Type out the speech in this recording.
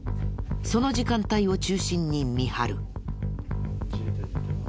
その時間帯を中心に見張る。